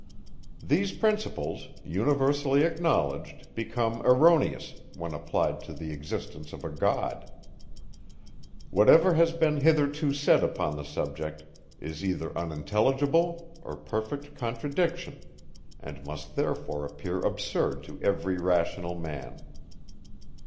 These principles, universally acknowledged, become erroneous, when applied to the existence of a God. Whatever has been hitherto said upon the subject, is either unintelligible, or perfect contradiction, and must therefore appear absurd to every rational man.